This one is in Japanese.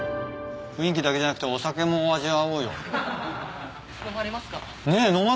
雰囲気だけじゃなくてお酒も味わおうよ。